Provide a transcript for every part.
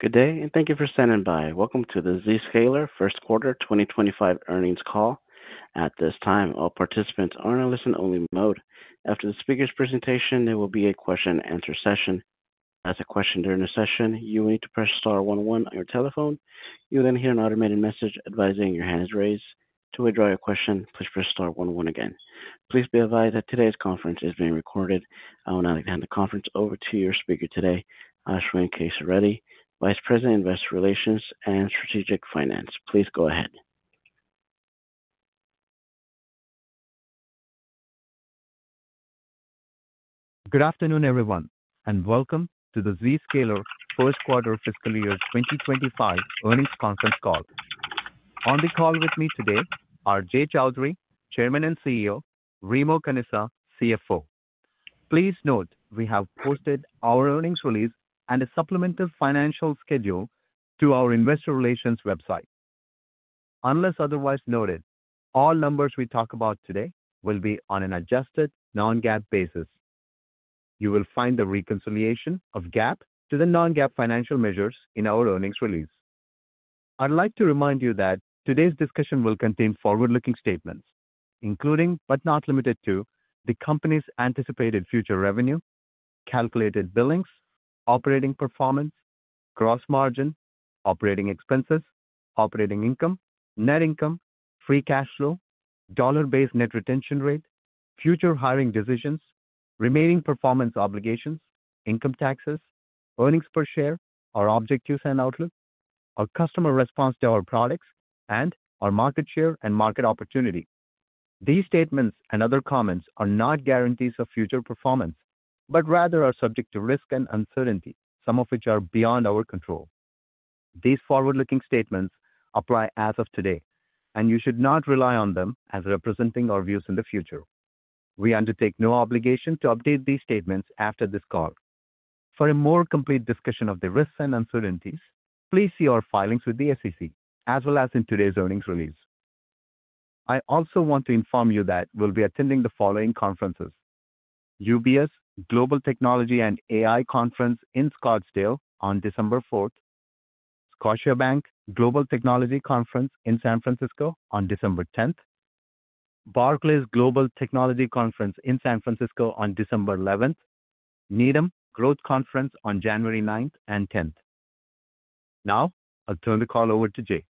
Good day, and thank you for standing by. Welcome to the Zscaler First Quarter 2025 earnings call. At this time, all participants are in a listen-only mode. After the speaker's presentation, there will be a question-and-answer session. To ask a question during the session, you will need to press star one one on your telephone. You will then hear an automated message advising your hand is raised. To withdraw your question, please press star one one again. Please be advised that today's conference is being recorded. I will now hand the conference over to your speaker today, Ashwin Kesireddy, Vice President, Investor Relations and Strategic Finance. Please go ahead. Good afternoon, everyone, and welcome to the Zscaler First Quarter Fiscal Year 2025 earnings conference call. On the call with me today are Jay Chaudhry, Chairman and CEO, Remo Canessa, CFO. Please note we have posted our earnings release and a supplemental financial schedule to our Investor Relations website. Unless otherwise noted, all numbers we talk about today will be on an adjusted non-GAAP basis. You will find the reconciliation of GAAP to the non-GAAP financial measures in our earnings release. I'd like to remind you that today's discussion will contain forward-looking statements, including but not limited to the company's anticipated future revenue, calculated billings, operating performance, gross margin, operating expenses, operating income, net income, free cash flow, dollar-based net retention rate, future hiring decisions, remaining performance obligations, income taxes, earnings per share, our objectives and outlook, our customer response to our products, and our market share and market opportunity. These statements and other comments are not guarantees of future performance, but rather are subject to risk and uncertainty, some of which are beyond our control. These forward-looking statements apply as of today, and you should not rely on them as representing our views in the future. We undertake no obligation to update these statements after this call. For a more complete discussion of the risks and uncertainties, please see our filings with the SEC, as well as in today's earnings release. I also want to inform you that we'll be attending the following conferences: UBS Global Technology and AI Conference in Scottsdale on December 4th, Scotiabank Global Technology Conference in San Francisco on December 10th, Barclays Global Technology Conference in San Francisco on December 11th, and Needham Growth Conference on January 9th and 10th. Now, I'll turn the call over to Jay.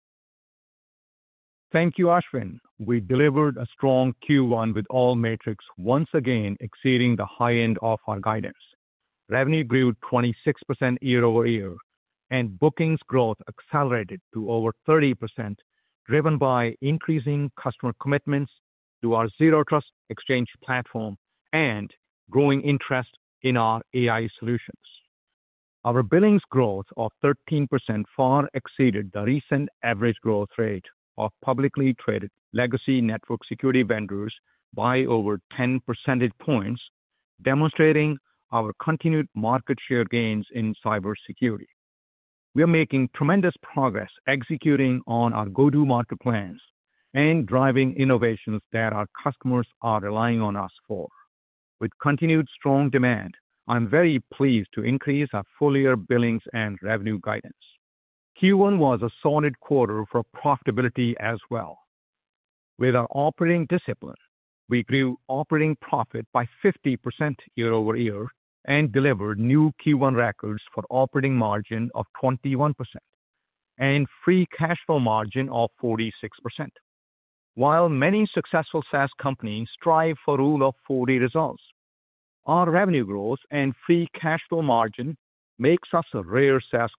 Thank you, Ashwin. We delivered a strong Q1 with all metrics once again exceeding the high end of our guidance. Revenue grew 26% year-over-year, and bookings growth accelerated to over 30%, driven by increasing customer commitments to our Zero Trust Exchange platform and growing interest in our AI solutions. Our billings growth of 13% far exceeded the recent average growth rate of publicly traded legacy network security vendors by over 10 percentage points, demonstrating our continued market share gains in cybersecurity. We are making tremendous progress executing on our go-to-market plans and driving innovations that our customers are relying on us for. With continued strong demand, I'm very pleased to increase our full-year billings and revenue guidance. Q1 was a solid quarter for profitability as well. With our operating discipline, we grew operating profit by 50% year-over-year and delivered new Q1 records for operating margin of 21% and free cash flow margin of 46%. While many successful SaaS companies strive for Rule of 40 results, our revenue growth and free cash flow margin makes us a rare SaaS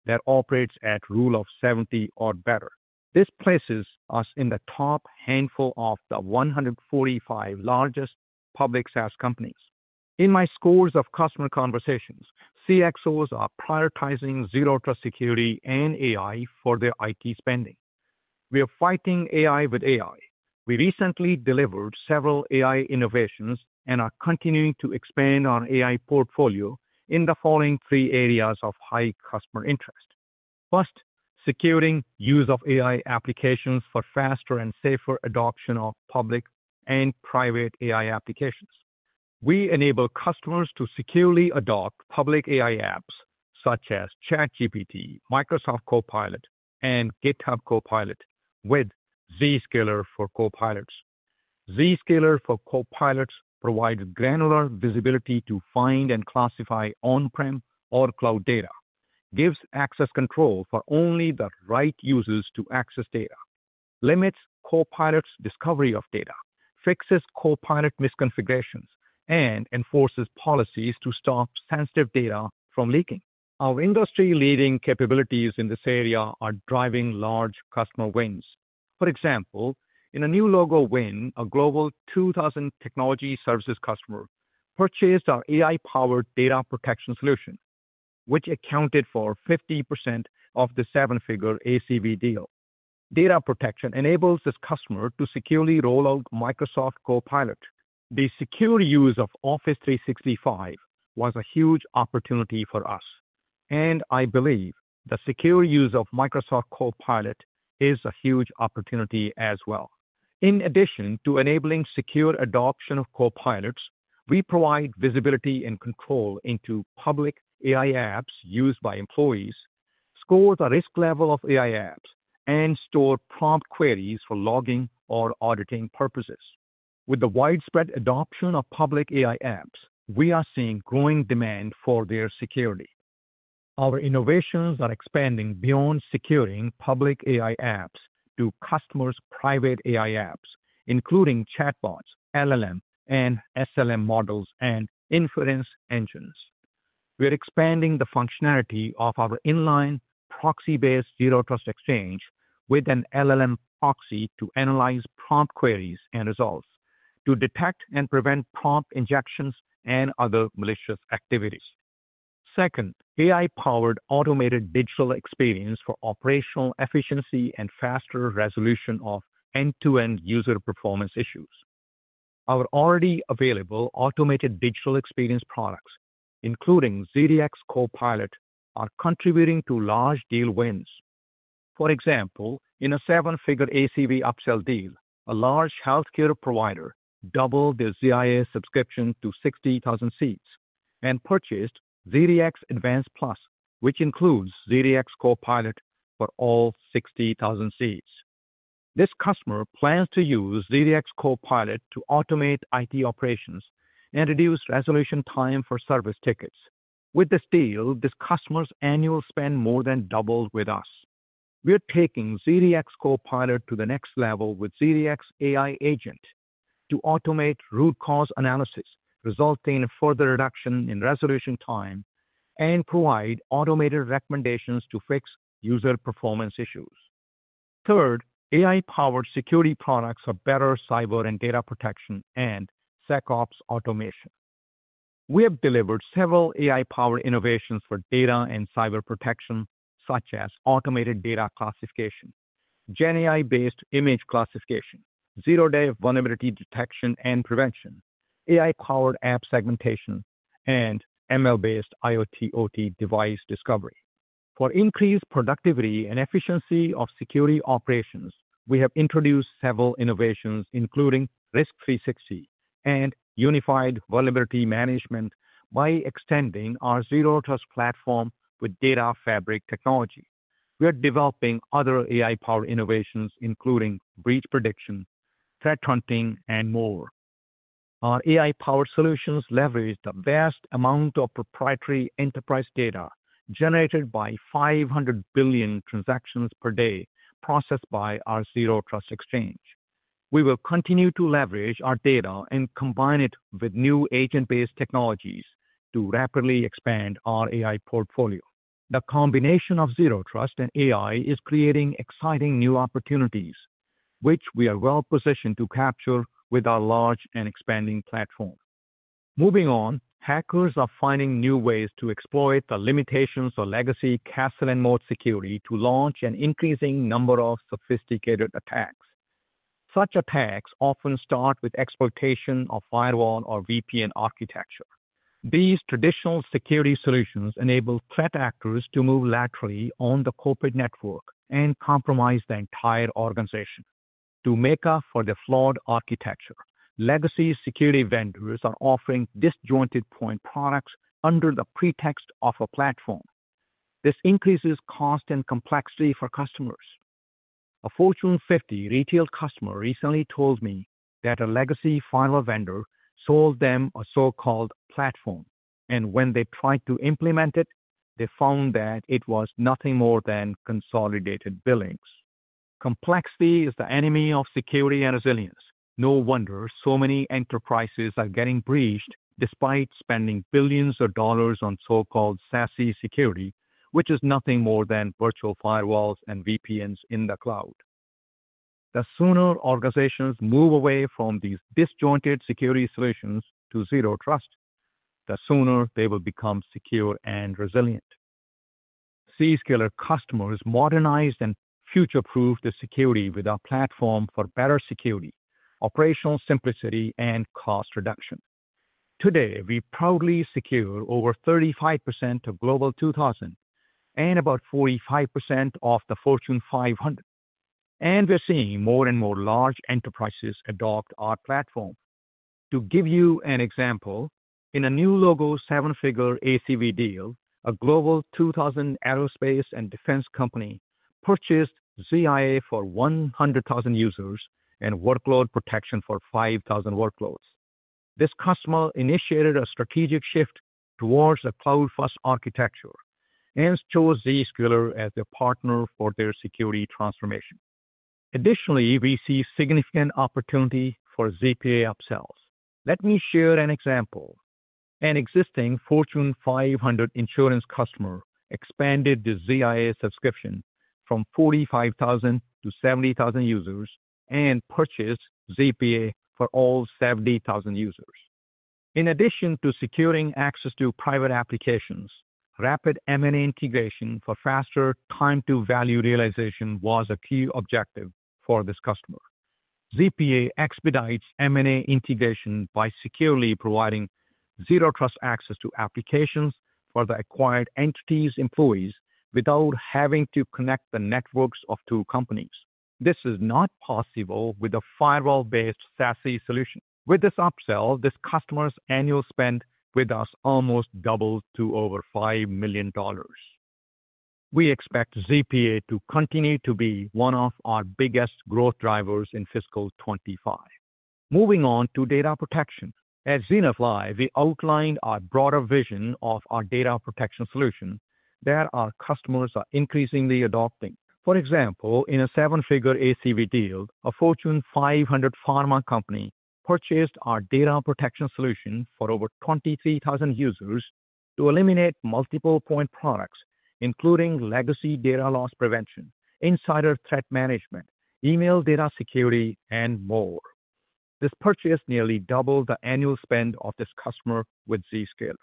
company that operates at Rule of 70 or better. This places us in the top handful of the 145 largest public SaaS companies. In my scores of customer conversations, CXOs are prioritizing Zero Trust Security and AI for their IT spending. We are fighting AI with AI. We recently delivered several AI innovations and are continuing to expand our AI portfolio in the following three areas of high customer interest. First, securing use of AI applications for faster and safer adoption of public and private AI applications. We enable customers to securely adopt public AI apps such as ChatGPT, Microsoft Copilot, and GitHub Copilot with Zscaler for Copilots. Zscaler for Copilots provides granular visibility to find and classify on-prem or cloud data, gives access control for only the right users to access data, limits Copilot's discovery of data, fixes Copilot misconfigurations, and enforces policies to stop sensitive data from leaking. Our industry-leading capabilities in this area are driving large customer wins. For example, in a new logo win, a Global 2000 Technology Services customer purchased our AI-powered data protection solution, which accounted for 50% of the seven-figure ACV deal. Data protection enables this customer to securely roll out Microsoft Copilot. The secure use of Office 365 was a huge opportunity for us, and I believe the secure use of Microsoft Copilot is a huge opportunity as well. In addition to enabling secure adoption of Copilots, we provide visibility and control into public AI apps used by employees, score the risk level of AI apps, and store prompt queries for logging or auditing purposes. With the widespread adoption of public AI apps, we are seeing growing demand for their security. Our innovations are expanding beyond securing public AI apps to customers' private AI apps, including chatbots, LLM, and SLM models, and inference engines. We are expanding the functionality of our inline proxy-based Zero Trust Exchange with an LLM proxy to analyze prompt queries and results, to detect and prevent prompt injections and other malicious activities. Second, AI-powered automated digital experience for operational efficiency and faster resolution of end-to-end user performance issues. Our already available automated digital experience products, including ZDX Copilot, are contributing to large deal wins. For example, in a seven-figure ACV upsell deal, a large healthcare provider doubled their ZIA subscription to 60,000 seats and purchased ZDX Advanced Plus, which includes ZDX Copilot for all 60,000 seats. This customer plans to use ZDX Copilot to automate IT operations and reduce resolution time for service tickets. With this deal, this customer's annual spend more than doubled with us. We are taking ZDX Copilot to the next level with ZDX AI Agent to automate root cause analysis, resulting in further reduction in resolution time and provide automated recommendations to fix user performance issues. Third, AI-powered security products are better cyber and data protection and SecOps automation. We have delivered several AI-powered innovations for data and cyber protection, such as automated data classification, GenAI-based image classification, zero-day vulnerability detection and prevention, AI-powered app segmentation, and ML-based IoT OT device discovery. For increased productivity and efficiency of security operations, we have introduced several innovations, including Risk360 and Unified Vulnerability Management, by extending our Zero Trust platform with data fabric technology. We are developing other AI-powered innovations, including breach prediction, threat hunting, and more. Our AI-powered solutions leverage the vast amount of proprietary enterprise data generated by 500 billion transactions per day processed by our Zero Trust Exchange. We will continue to leverage our data and combine it with new agent-based technologies to rapidly expand our AI portfolio. The combination of Zero Trust and AI is creating exciting new opportunities, which we are well-positioned to capture with our large and expanding platform. Moving on, hackers are finding new ways to exploit the limitations of legacy castle-and-moat security to launch an increasing number of sophisticated attacks. Such attacks often start with exploitation of firewall or VPN architecture. These traditional security solutions enable threat actors to move laterally on the corporate network and compromise the entire organization. To make up for the flawed architecture, legacy security vendors are offering disjointed point products under the pretext of a platform. This increases cost and complexity for customers. A Fortune 50 retail customer recently told me that a legacy vendor sold them a so-called platform, and when they tried to implement it, they found that it was nothing more than consolidated billings. Complexity is the enemy of security and resilience. No wonder so many enterprises are getting breached despite spending billions of dollars on so-called SASE security, which is nothing more than virtual firewalls and VPNs in the cloud. The sooner organizations move away from these disjointed security solutions to Zero Trust, the sooner they will become secure and resilient. Zscaler customers modernized and future-proofed the security with our platform for better security, operational simplicity, and cost reduction. Today, we proudly secure over 35% of Global 2000 and about 45% of the Fortune 500, and we're seeing more and more large enterprises adopt our platform. To give you an example, in a new logo seven-figure ACV deal, a Global 2000 aerospace and defense company purchased ZIA for 100,000 users and workload protection for 5,000 workloads. This customer initiated a strategic shift towards a cloud-first architecture and chose Zscaler as their partner for their security transformation. Additionally, we see significant opportunity for ZPA upsells. Let me share an example. An existing Fortune 500 insurance customer expanded the ZIA subscription from 45,000 to 70,000 users and purchased ZPA for all 70,000 users. In addition to securing access to private applications, rapid M&A integration for faster time-to-value realization was a key objective for this customer. ZPA expedites M&A integration by securely providing Zero Trust access to applications for the acquired entity's employees without having to connect the networks of two companies. This is not possible with a firewall-based SASE solution. With this upsell, this customer's annual spend with us almost doubled to over $5 million. We expect ZPA to continue to be one of our biggest growth drivers in fiscal 2025. Moving on to data protection. At Zenith Live, we outlined our broader vision of our data protection solution that our customers are increasingly adopting. For example, in a seven-figure ACV deal, a Fortune 500 pharma company purchased our data protection solution for over 23,000 users to eliminate multiple point products, including legacy data loss prevention, insider threat management, email data security, and more. This purchase nearly doubled the annual spend of this customer with Zscaler.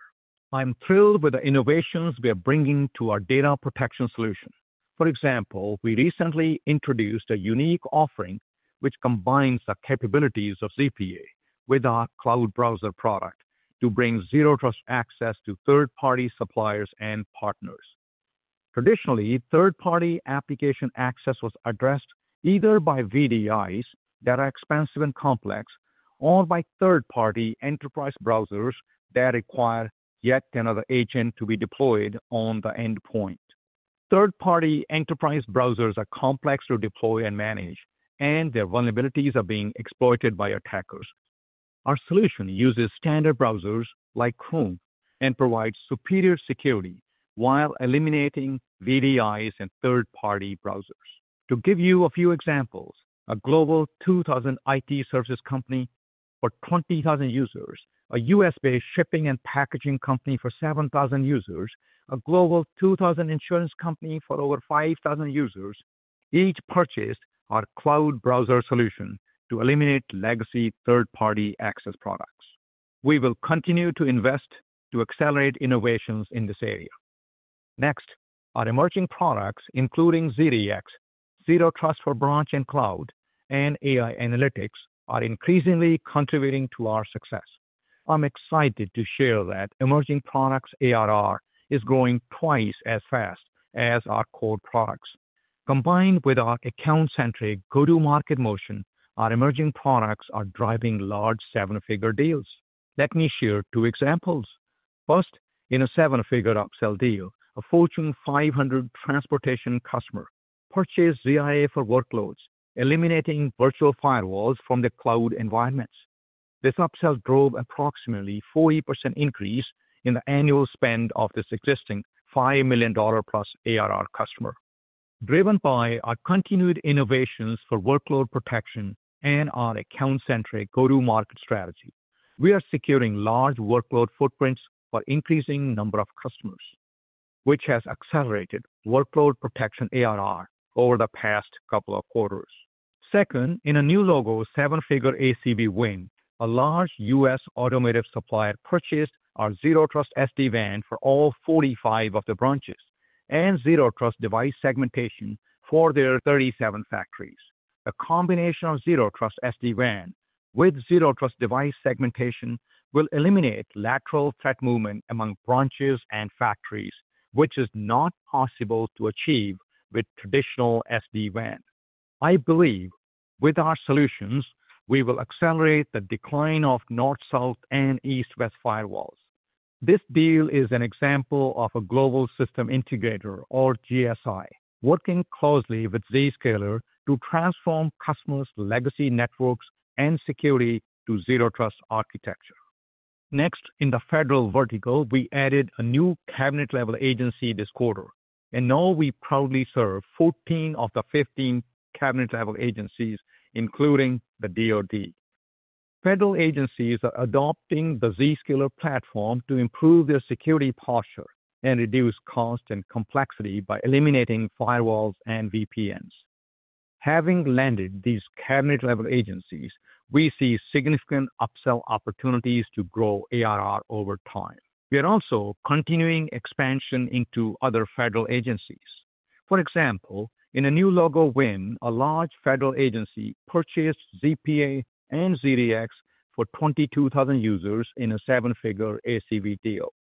I'm thrilled with the innovations we are bringing to our data protection solution. For example, we recently introduced a unique offering which combines the capabilities of ZPA with our cloud browser product to bring Zero Trust access to third-party suppliers and partners. Traditionally, third-party application access was addressed either by VDIs that are expensive and complex or by third-party enterprise browsers that require yet another agent to be deployed on the endpoint. Third-party enterprise browsers are complex to deploy and manage, and their vulnerabilities are being exploited by attackers. Our solution uses standard browsers like Chrome and provides superior security while eliminating VDIs and third-party browsers. To give you a few examples, a Global 2000 IT services company for 20,000 users, a U.S.-based shipping and packaging company for 7,000 users, a Global 2000 insurance company for over 5,000 users each purchased our cloud browser solution to eliminate legacy third-party access products. We will continue to invest to accelerate innovations in this area. Next, our emerging products, including ZDX, Zero Trust for Branch and Cloud, and AI Analytics, are increasingly contributing to our success. I'm excited to share that emerging products' ARR is growing twice as fast as our core products. Combined with our account-centric go-to-market motion, our emerging products are driving large seven-figure deals. Let me share two examples. First, in a seven-figure upsell deal, a Fortune 500 transportation customer purchased ZIA for workloads, eliminating virtual firewalls from the cloud environments. This upsell drove approximately a 40% increase in the annual spend of this existing $5+ million ARR customer. Driven by our continued innovations for workload protection and our account-centric go-to-market strategy, we are securing large workload footprints for an increasing number of customers, which has accelerated workload protection ARR over the past couple of quarters. Second, in a new logo seven-figure ACV win, a large U.S. automotive supplier purchased our Zero Trust SD-WAN for all 45 of the branches and Zero Trust Device Segmentation for their 37 factories. The combination of Zero Trust SD-WAN with Zero Trust Device Segmentation will eliminate lateral threat movement among branches and factories, which is not possible to achieve with traditional SD-WAN. I believe with our solutions, we will accelerate the decline of north-south and east-west firewalls. This deal is an example of a global system integrator, or GSI, working closely with Zscaler to transform customers' legacy networks and security to Zero Trust architecture. Next, in the federal vertical, we added a new cabinet-level agency this quarter, and now we proudly serve 14 of the 15 cabinet-level agencies, including the DOD. Federal agencies are adopting the Zscaler platform to improve their security posture and reduce cost and complexity by eliminating firewalls and VPNs. Having landed these cabinet-level agencies, we see significant upsell opportunities to grow ARR over time. We are also continuing expansion into other federal agencies. For example, in a new logo win, a large federal agency purchased ZPA and ZDX for 22,000 users in a seven-figure ACV deal.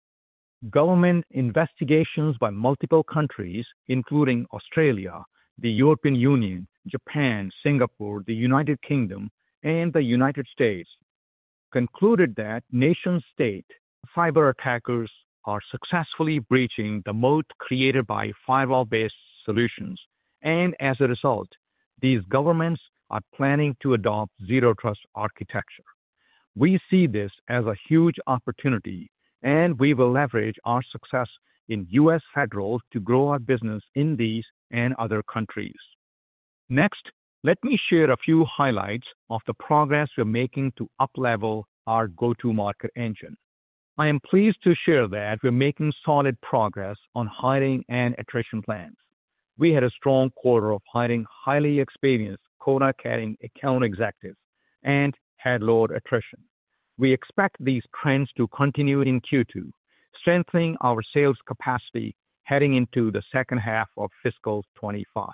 Government investigations by multiple countries, including Australia, the European Union, Japan, Singapore, the United Kingdom, and the United States, concluded that nation-state cyber attackers are successfully breaching the moat created by firewall-based solutions, and as a result, these governments are planning to adopt Zero Trust architecture. We see this as a huge opportunity, and we will leverage our success in U.S. federal to grow our business in these and other countries. Next, let me share a few highlights of the progress we're making to uplevel our go-to-market engine. I am pleased to share that we're making solid progress on hiring and attrition plans. We had a strong quarter of hiring highly experienced quota-carrying account executives and had low attrition. We expect these trends to continue in Q2, strengthening our sales capacity heading into the second half of fiscal 2025.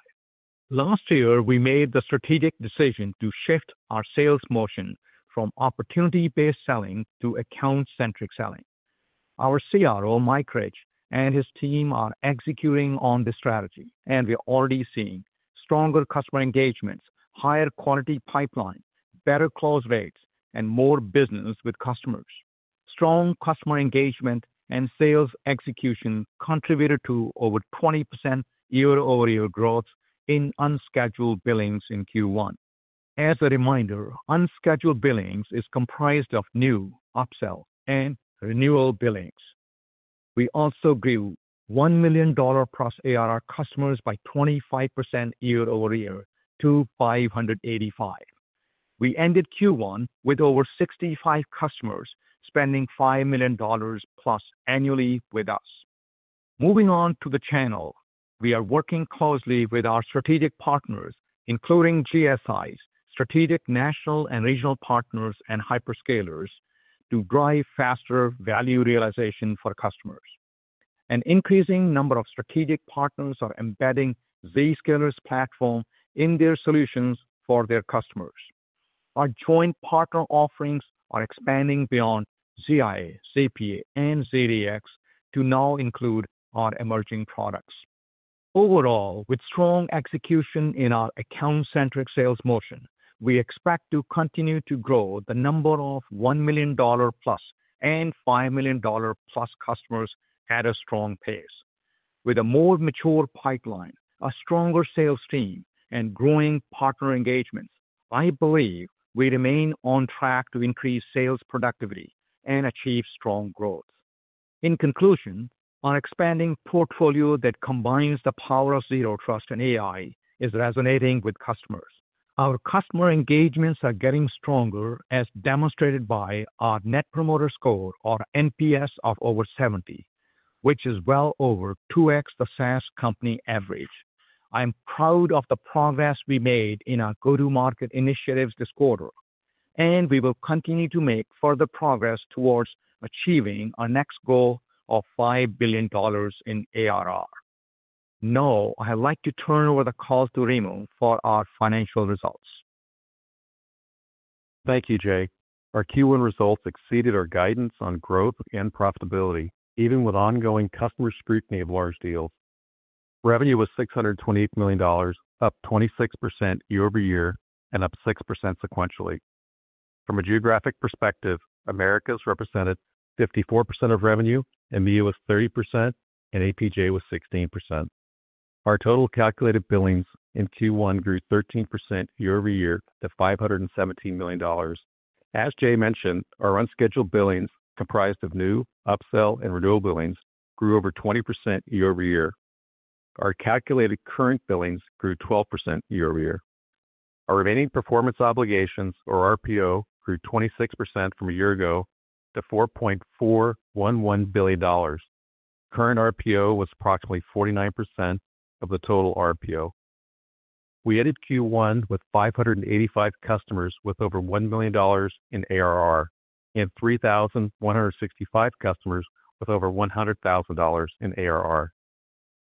Last year, we made the strategic decision to shift our sales motion from opportunity-based selling to account-centric selling. Our CRO, Mike Rich, and his team are executing on the strategy, and we're already seeing stronger customer engagements, higher quality pipelines, better close rates, and more business with customers. Strong customer engagement and sales execution contributed to over 20% year-over-year growth in unscheduled billings in Q1. As a reminder, unscheduled billings is comprised of new, upsell, and renewal billings. We also grew $1 million-plus ARR customers by 25% year-over-year to 585. We ended Q1 with over 65 customers spending $5 million plus annually with us. Moving on to the channel, we are working closely with our strategic partners, including GSIs, strategic national and regional partners, and hyperscalers, to drive faster value realization for customers. An increasing number of strategic partners are embedding Zscaler's platform in their solutions for their customers. Our joint partner offerings are expanding beyond ZIA, ZPA, and ZDX to now include our emerging products. Overall, with strong execution in our account-centric sales motion, we expect to continue to grow the number of $1 million plus and $5 million plus customers at a strong pace. With a more mature pipeline, a stronger sales team, and growing partner engagements, I believe we remain on track to increase sales productivity and achieve strong growth. In conclusion, our expanding portfolio that combines the power of Zero Trust and AI is resonating with customers. Our customer engagements are getting stronger, as demonstrated by our Net Promoter Score, or NPS, of over 70, which is well over 2x the SaaS company average. I'm proud of the progress we made in our go-to-market initiatives this quarter, and we will continue to make further progress towards achieving our next goal of $5 billion in ARR. Now, I'd like to turn over the call to Remo for our financial results. Thank you, Jay. Our Q1 results exceeded our guidance on growth and profitability, even with ongoing customer scrutiny of large deals. Revenue was $628 million, up 26% year-over-year and up 6% sequentially. From a geographic perspective, Americas represented 54% of revenue, and EMEA was 30%, and APJ was 16%. Our total calculated billings in Q1 grew 13% year-over-year to $517 million. As Jay mentioned, our unscheduled billings, comprised of new, upsell, and renewal billings, grew over 20% year-over-year. Our calculated current billings grew 12% year-over-year. Our remaining performance obligations, or RPO, grew 26% from a year ago to $4.411 billion. Current RPO was approximately 49% of the total RPO. We ended Q1 with 585 customers with over $1 million in ARR and 3,165 customers with over $100,000 in ARR.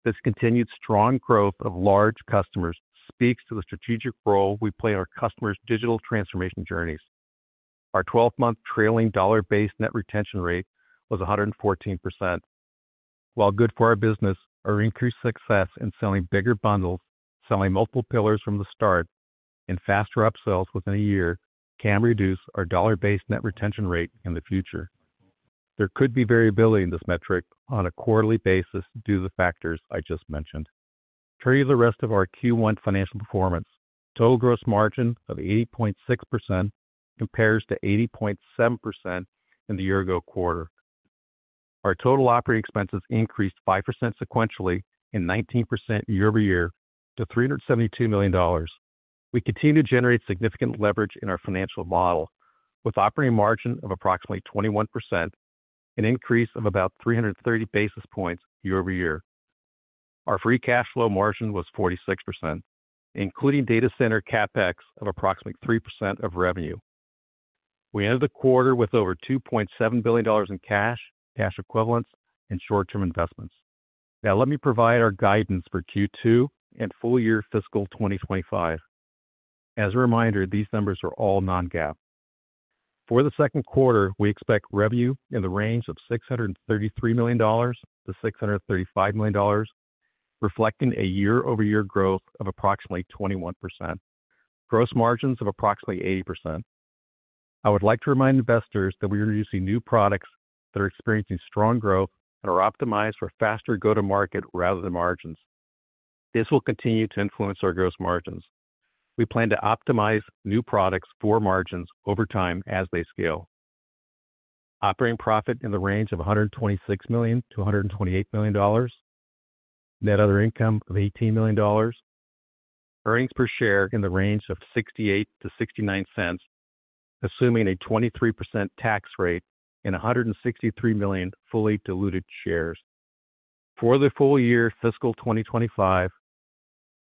This continued strong growth of large customers speaks to the strategic role we play in our customers' digital transformation journeys. Our 12-month trailing dollar-based net retention rate was 114%. While good for our business, our increased success in selling bigger bundles, selling multiple pillars from the start, and faster upsells within a year can reduce our dollar-based net retention rate in the future. There could be variability in this metric on a quarterly basis due to the factors I just mentioned. Turning to the rest of our Q1 financial performance, total gross margin of 80.6% compares to 80.7% in the year-ago quarter. Our total operating expenses increased 5% sequentially and 19% year-over-year to $372 million. We continue to generate significant leverage in our financial model with operating margin of approximately 21%, an increase of about 330 basis points year-over-year. Our free cash flow margin was 46%, including data center CapEx of approximately 3% of revenue. We ended the quarter with over $2.7 billion in cash, cash equivalents, and short-term investments. Now, let me provide our guidance for Q2 and full year fiscal 2025. As a reminder, these numbers are all non-GAAP. For the second quarter, we expect revenue in the range of $633-$635 million, reflecting a year-over-year growth of approximately 21%, gross margins of approximately 80%. I would like to remind investors that we are introducing new products that are experiencing strong growth and are optimized for faster go-to-market rather than margins. This will continue to influence our gross margins. We plan to optimize new products for margins over time as they scale. Operating profit in the range of $126 million-$128 million, net other income of $18 million, earnings per share in the range of $0.68-$0.69, assuming a 23% tax rate and 163 million fully diluted shares. For the full year fiscal 2025,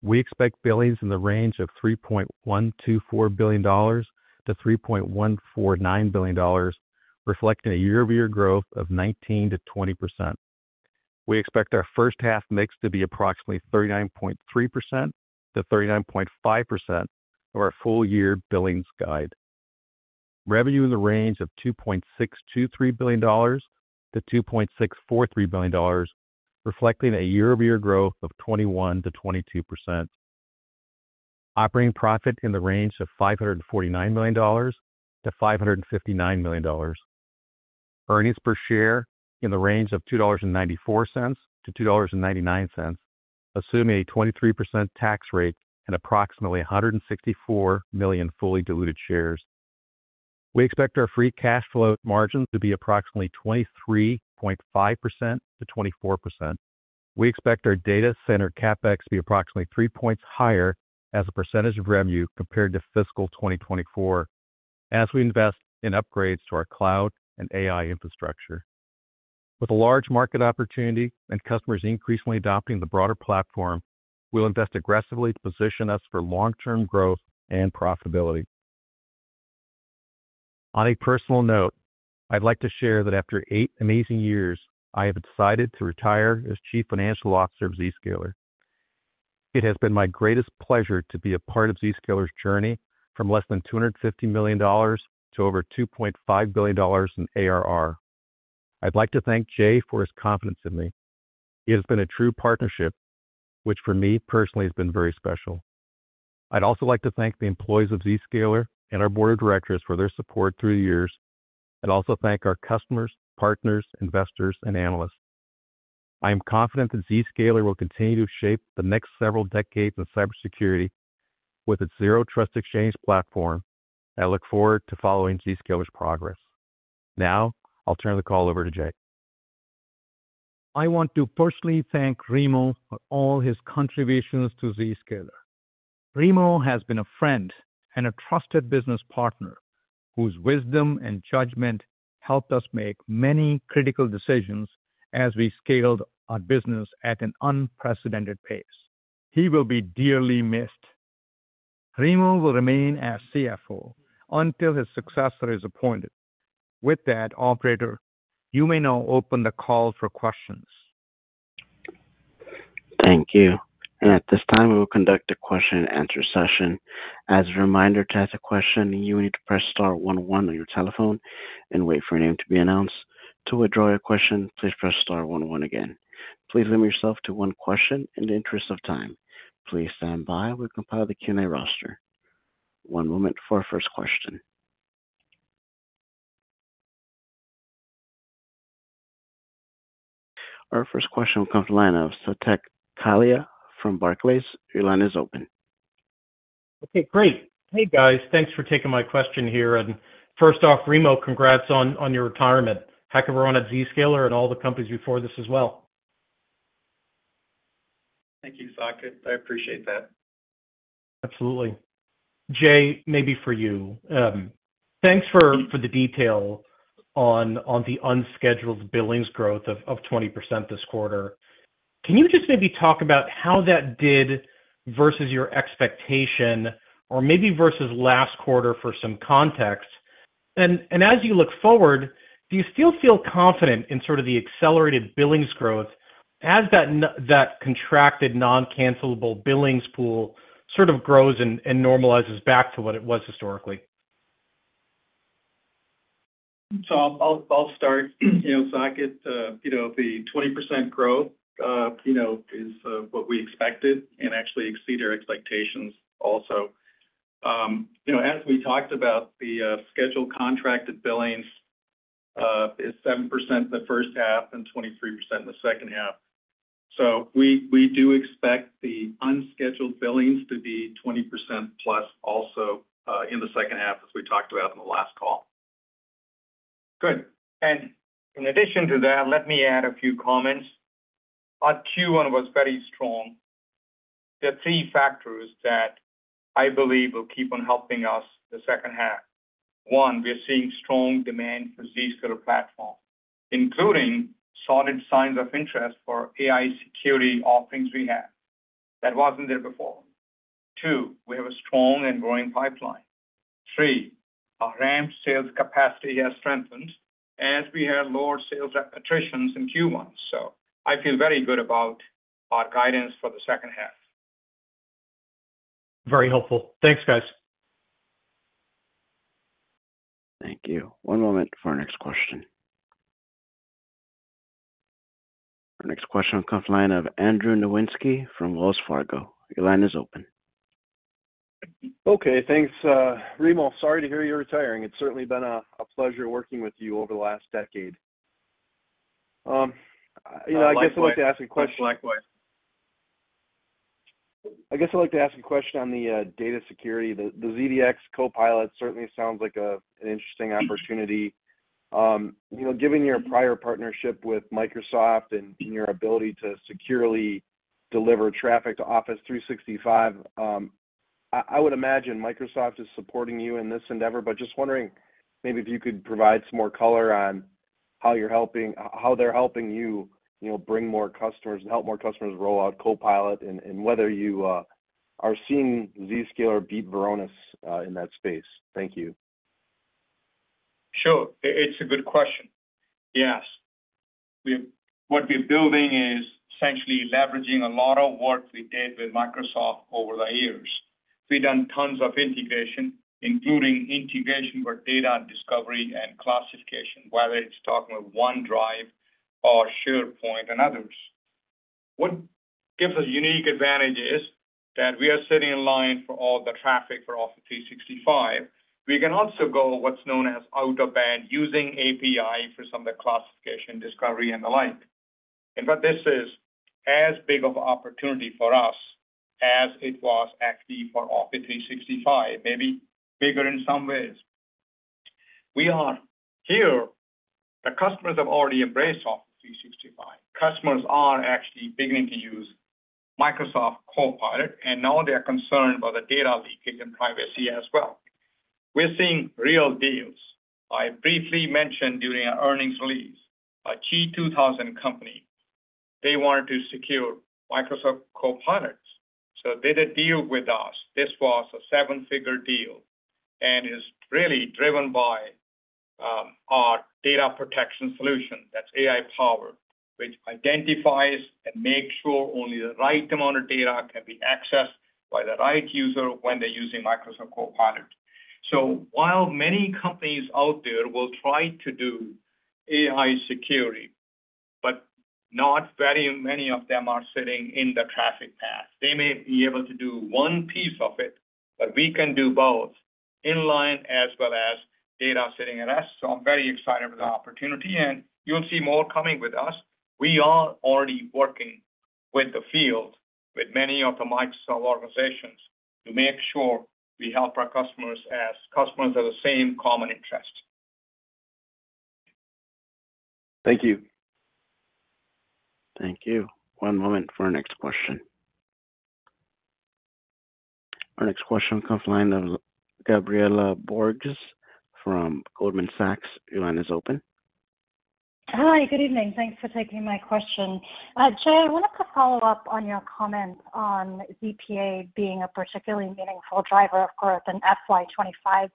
we expect billings in the range of $3.124 billion-$3.149 billion, reflecting a year-over-year growth of 19%-20%. We expect our first half mix to be approximately 39.3%-39.5% of our full year billings guide. Revenue in the range of $2.623 billion-$2.643 billion, reflecting a year-over-year growth of 21%-22%. Operating profit in the range of $549 million-$559 million. Earnings per share in the range of $2.94-$2.99, assuming a 23% tax rate and approximately 164 million fully diluted shares. We expect our free cash flow margin to be approximately 23.5%-24%. We expect our data center CapEx to be approximately three points higher as a percentage of revenue compared to fiscal 2024, as we invest in upgrades to our cloud and AI infrastructure. With a large market opportunity and customers increasingly adopting the broader platform, we'll invest aggressively to position us for long-term growth and profitability. On a personal note, I'd like to share that after eight amazing years, I have decided to retire as Chief Financial Officer of Zscaler. It has been my greatest pleasure to be a part of Zscaler's journey from less than $250 million to over $2.5 billion in ARR. I'd like to thank Jay for his confidence in me. It has been a true partnership, which, for me, personally has been very special. I'd also like to thank the employees of Zscaler and our board of directors for their support through the years. I'd also thank our customers, partners, investors, and analysts. I am confident that Zscaler will continue to shape the next several decades in cybersecurity with its Zero Trust Exchange platform, and I look forward to following Zscaler's progress. Now, I'll turn the call over to Jay. I want to personally thank Remo for all his contributions to Zscaler. Remo has been a friend and a trusted business partner whose wisdom and judgment helped us make many critical decisions as we scaled our business at an unprecedented pace. He will be dearly missed. Remo will remain as CFO until his successor is appointed. With that, Operator, you may now open the call for questions. Thank you. And at this time, we will conduct a question-and-answer session. As a reminder, to ask a question, you will need to press star one one on your telephone and wait for your name to be announced. To withdraw your question, please press star one one again. Please limit yourself to one question in the interest of time. Please stand by while we compile the Q&A roster. One moment for our first question. Our first question will come from Saket Kalia from Barclays. Your line is open. Okay, great. Hey, guys. Thanks for taking my question here. And first off, Remo, congrats on your retirement. Hey, congrats on your run at Zscaler and all the companies before this as well. Thank you, Saket. I appreciate that. Absolutely. Jay, maybe for you. Thanks for the detail on the unscheduled billings growth of 20% this quarter. Can you just maybe talk about how that did versus your expectation, or maybe versus last quarter for some context? As you look forward, do you still feel confident in sort of the accelerated billings growth as that contracted, non-cancelable billings pool sort of grows and normalizes back to what it was historically? So I'll start. Saket, the 20% growth is what we expected and actually exceeded our expectations also. As we talked about, the scheduled contracted billings is 7% the first half and 23% in the second half. So we do expect the unscheduled billings to be 20%+ also in the second half, as we talked about in the last call. Good. And in addition to that, let me add a few comments. Our Q1 was very strong. There are three factors that I believe will keep on helping us the second half. One, we're seeing strong demand for Zscaler platform, including solid signs of interest for AI security offerings we have that wasn't there before. Two, we have a strong and growing pipeline. Three, our ramped sales capacity has strengthened as we had lower sales attritions in Q1. So I feel very good about our guidance for the second half. Very helpful. Thanks, guys. Thank you. One moment for our next question. Our next question will come from the line of Andrew Nowinski from Wells Fargo. Your line is open. Okay, thanks. Remo, sorry to hear you're retiring. It's certainly been a pleasure working with you over the last decade. Likewise. I guess I'd like to ask a question on the data security. The ZDX Copilot certainly sounds like an interesting opportunity. Given your prior partnership with Microsoft and your ability to securely deliver traffic to Office 365, I would imagine Microsoft is supporting you in this endeavor, but just wondering maybe if you could provide some more color on how they're helping you bring more customers and help more customers roll out Copilot and whether you are seeing Zscaler beat Varonis in that space. Thank you. Sure. It's a good question. Yes. What we're building is essentially leveraging a lot of work we did with Microsoft over the years. We've done tons of integration, including integration for data discovery and classification, whether it's talking with OneDrive or SharePoint and others. What gives us unique advantage is that we are sitting in line for all the traffic for Office 365. We can also go what's known as out of band using API for some of the classification, discovery, and the like. In fact, this is as big of an opportunity for us as it was actually for Office 365, maybe bigger in some ways. We are here. The customers have already embraced Office 365. Customers are actually beginning to use Microsoft Copilot, and now they're concerned about the data leakage and privacy as well. We're seeing real deals. I briefly mentioned during our earnings release, a key 2000 company, they wanted to secure Microsoft Copilot. So they did a deal with us. This was a seven-figure deal and is really driven by our data protection solution. That's AI-powered, which identifies and makes sure only the right amount of data can be accessed by the right user when they're using Microsoft Copilot. So while many companies out there will try to do AI security, but not very many of them are sitting in the traffic path. They may be able to do one piece of it, but we can do both inline as well as data sitting at rest. So I'm very excited with the opportunity, and you'll see more coming with us. We are already working with the field, with many of the Microsoft organizations to make sure we help our customers as customers of the same common interest. Thank you. Thank you. One moment for our next question. Our next question will come from the line of Gabriela Borges from Goldman Sachs. Your line is open. Hi, good evening. Thanks for taking my question. Jay, I wanted to follow up on your comment on ZPA being a particularly meaningful driver of growth in FY 2025.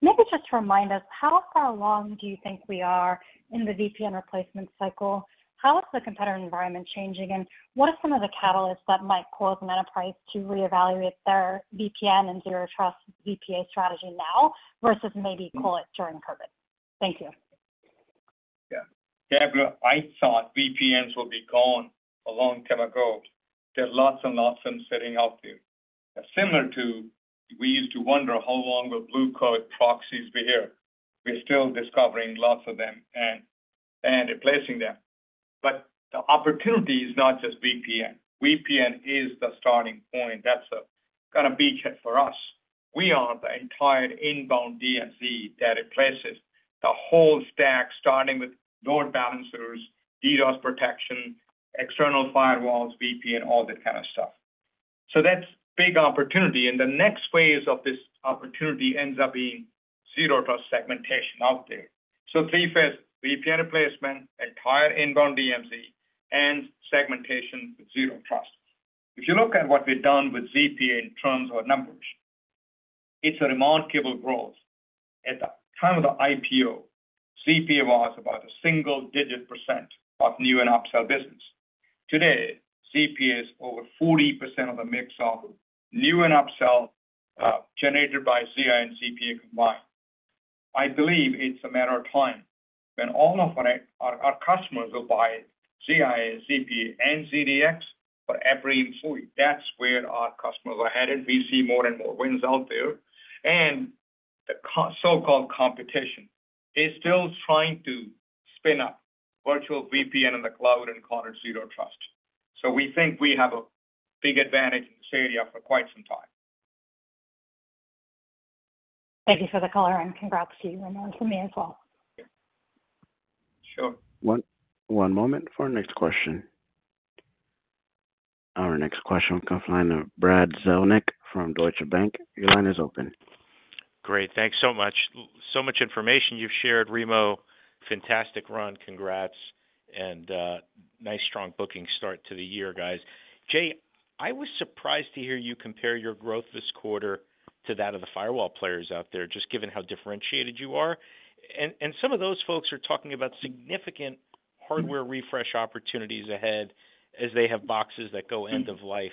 Maybe just remind us, how far along do you think we are in the VPN replacement cycle? How is the competitor environment changing, and what are some of the catalysts that might cause an enterprise to reevaluate their VPN and Zero Trust ZPA strategy now versus maybe call it during COVID? Thank you. Yeah. Gabriela, I thought VPNs would be gone a long time ago. There are lots and lots of them sitting out there. Similar to we used to wonder how long will Blue Coat proxies be here. We're still discovering lots of them and replacing them. But the opportunity is not just VPN. VPN is the starting point. That's a kind of beachhead for us. We are the entire inbound DMZ that replaces the whole stack, starting with load balancers, DDoS protection, external firewalls, VPN, all that kind of stuff. So that's a big opportunity. And the next phase of this opportunity ends up being Zero Trust segmentation out there. So three phases: VPN replacement, entire inbound DMZ, and segmentation with Zero Trust. If you look at what we've done with ZPA in terms of numbers, it's a remarkable growth. At the time of the IPO, ZPA was about a single-digit percent of new and upsell business. Today, ZPA is over 40% of the mix of new and upsell generated by ZIA and ZPA combined. I believe it's a matter of time when all of our customers will buy ZIA, ZPA, and ZDX for every employee. That's where our customers are headed. We see more and more wins out there. And the so-called competition is still trying to spin up virtual VPN in the cloud and call it Zero Trust. So we think we have a big advantage in this area for quite some time. Thank you for the color, and congrats to you and for me as well. Sure. One moment for our next question. Our next question will come from the line of Brad Zelnick from Deutsche Bank. Your line is open. Great. Thanks so much. So much information you've shared, Remo. Fantastic run. Congrats. And nice, strong booking start to the year, guys. Jay, I was surprised to hear you compare your growth this quarter to that of the firewall players out there, just given how differentiated you are. And some of those folks are talking about significant hardware refresh opportunities ahead as they have boxes that go end of life.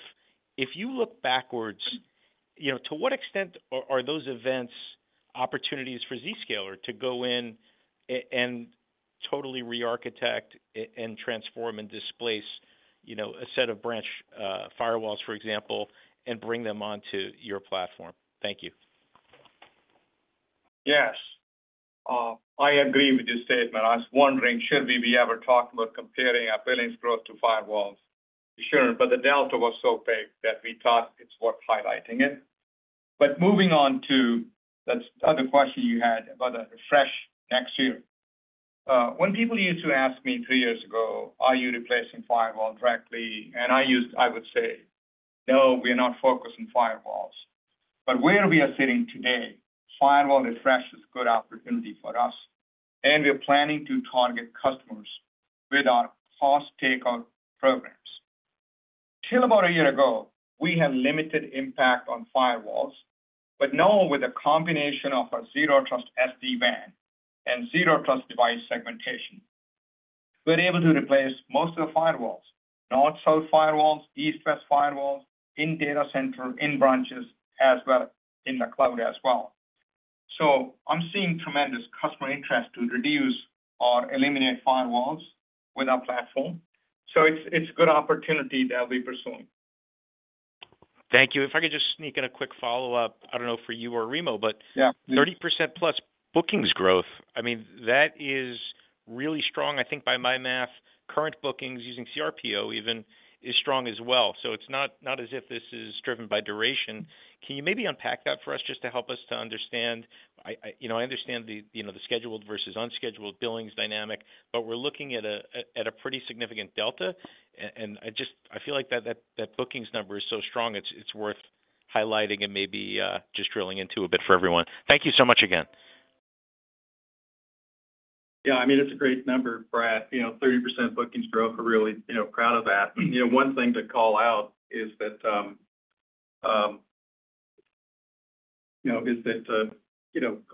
If you look backwards, to what extent are those events opportunities for Zscaler to go in and totally re-architect, and transform, and displace a set of branch firewalls, for example, and bring them onto your platform? Thank you. Yes. I agree with your statement. I was wondering, should we be ever talking about comparing our billings growth to firewalls? We shouldn't, but the delta was so big that we thought it's worth highlighting it. But moving on to the other question you had about a refresh next year. When people used to ask me three years ago, "Are you replacing firewall directly?" and I would say, "No, we're not focused on firewalls." But where we are sitting today, firewall refresh is a good opportunity for us. And we're planning to target customers with our cost takeout programs. Until about a year ago, we had limited impact on firewalls, but now with a combination of our Zero Trust SD-WAN and Zero Trust Device Segmentation, we're able to replace most of the firewalls: north-south firewalls, east-west firewalls, in data center, in branches, as well in the cloud as well. So I'm seeing tremendous customer interest to reduce or eliminate firewalls with our platform. So it's a good opportunity that we're pursuing. Thank you. If I could just sneak in a quick follow-up, I don't know for you or Remo, but 30%+ bookings growth, I mean, that is really strong. I think by my math, current bookings using CRPO even is strong as well. So it's not as if this is driven by duration. Can you maybe unpack that for us just to help us to understand? I understand the scheduled versus unscheduled billings dynamic, but we're looking at a pretty significant delta. And I feel like that bookings number is so strong, it's worth highlighting and maybe just drilling into a bit for everyone. Thank you so much again. Yeah. I mean, it's a great number, Brad. 30% bookings growth, we're really proud of that. One thing to call out is that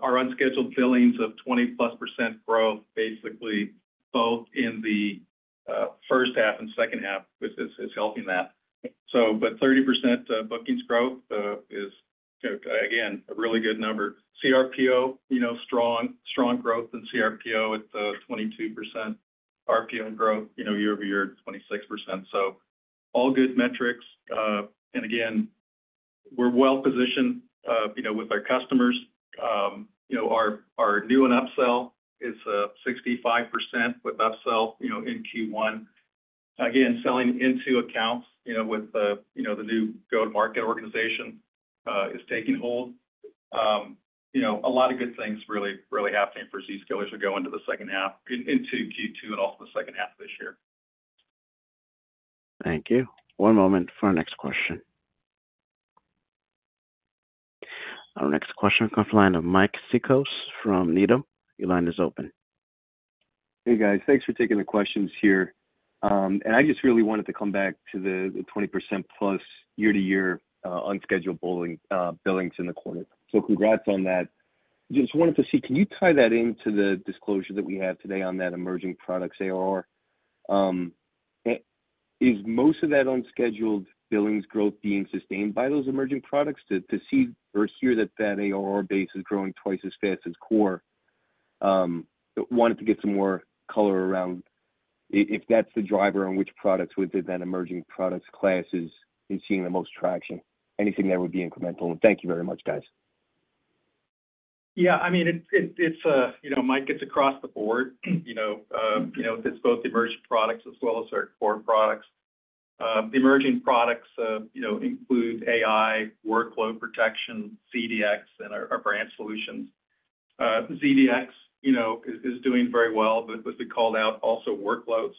our unscheduled billings of 20%+ growth, basically both in the first half and second half, is helping that. But 30% bookings growth is, again, a really good number. CRPO, strong growth in CRPO at 22%. RPO growth year-over-year, 26%. So all good metrics. And again, we're well-positioned with our customers. Our new and upsell is 65% with upsell in Q1. Again, selling into accounts with the new go-to-market organization is taking hold. A lot of good things really happening for Zscaler to go into the second half, into Q2 and also the second half of this year. Thank you. One moment for our next question. Our next question will come from the line of Mike Cikos from Needham. Your line is open. Hey, guys. Thanks for taking the questions here. And I just really wanted to come back to the 20%+ year-to-year unscheduled billings in the quarter. So congrats on that. Just wanted to see, can you tie that into the disclosure that we have today on that emerging products ARR? Is most of that unscheduled billings growth being sustained by those emerging products? To see or hear that that ARR base is growing twice as fast as core, wanted to get some more color around if that's the driver on which products within that emerging products class is seeing the most traction. Anything that would be incremental. And thank you very much, guys. Yeah. I mean, Mike, it's across the board. It's both emerging products as well as our core products. The emerging products include AI, workload protection, ZDX, and our branch solutions. ZDX is doing very well with the call-out. Also, workloads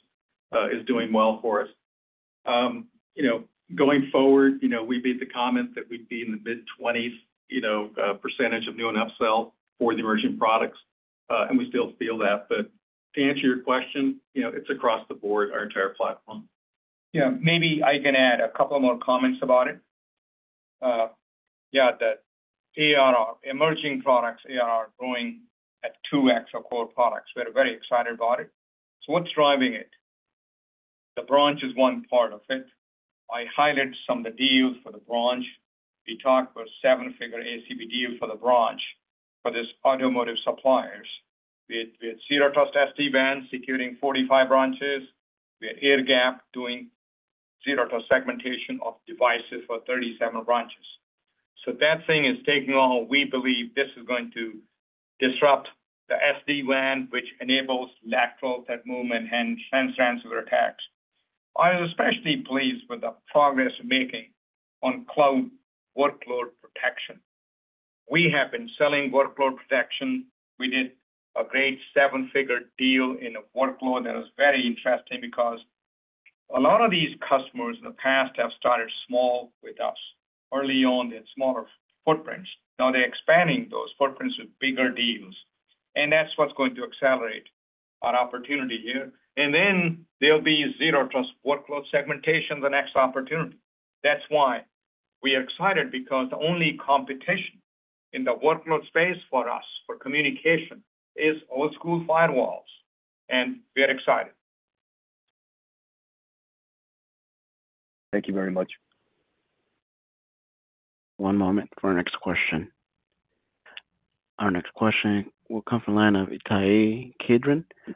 is doing well for us. Going forward, we made the comment that we'd be in the mid-20% of new and upsell for the emerging products, and we still feel that. But to answer your question, it's across the board, our entire platform. Yeah. Maybe I can add a couple more comments about it. Yeah. The emerging products are growing at 2x of core products. We're very excited about it. So what's driving it? The branch is one part of it. I highlighted some of the deals for the branch. We talked about a seven-figure ACV deal for the branch for these automotive suppliers. We had Zero Trust SD-WAN securing 45 branches. We had Airgap doing Zero Trust segmentation of devices for 37 branches. So that thing is taking off. We believe this is going to disrupt the SD-WAN, which enables lateral movement and ransomware attacks. I was especially pleased with the progress we're making on cloud workload protection. We have been selling workload protection. We did a great seven-figure deal in a workload that was very interesting because a lot of these customers in the past have started small with us. Early on, they had smaller footprints. Now, they're expanding those footprints with bigger deals. And that's what's going to accelerate our opportunity here. And then there'll be Zero Trust workload segmentation, the next opportunity. That's why we are excited because the only competition in the workload space for us for communication is old-school firewalls. And we're excited. Thank you very much. One moment for our next question. Our next question will come from the line of Ittai Kidron from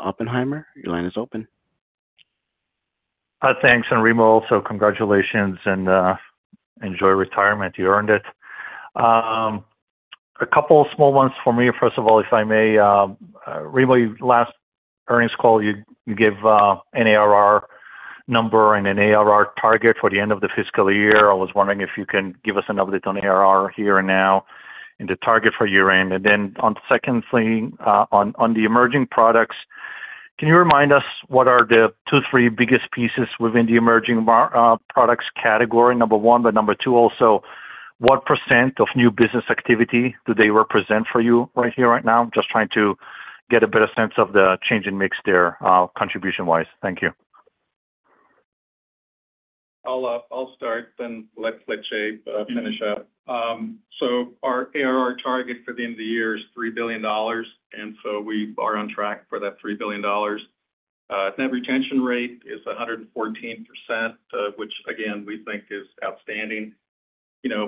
Oppenheimer. Your line is open. Thanks. And Remo, also congratulations, and enjoy retirement. You earned it. A couple of small ones for me. First of all, if I may, Remo, last earnings call, you gave an ARR number and an ARR target for the end of the fiscal year. I was wondering if you can give us an update on ARR here and now and the target for year-end. And then secondly, on the emerging products, can you remind us what are the two, three biggest pieces within the emerging products category? Number one, but number two, also, what % of new business activity do they represent for you right here right now? Just trying to get a better sense of the change in mix there, contribution-wise. Thank you. I'll start, then let Jay finish up. So our ARR target for the end of the year is $3 billion. And so we are on track for that $3 billion. Net retention rate is 114%, which again, we think is outstanding.